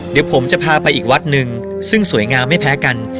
เดี๋ยวผมจะพาไปอีกวัดหนึ่งซึ่งสวยงามไม่แพ้กัน